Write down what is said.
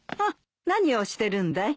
何をしてるんだい？